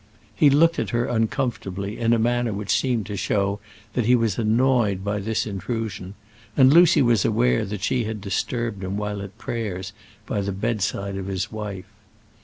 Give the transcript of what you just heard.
He looked at her uncomfortably, in a manner which seemed to show that he was annoyed by this intrusion, and Lucy was aware that she had disturbed him while at prayers by the bedside of his wife.